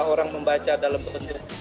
orang membaca dalam bentuk